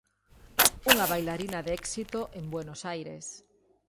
Unha bailarina de éxito en Buenos Aires.